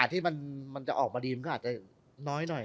ถ้าออกมาดีมันก็อาจจะน้อยหน่อย